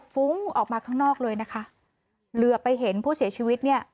ฟุ้งออกมาข้างนอกเลยนะคะเหลือไปเห็นผู้เสียชีวิตเนี่ย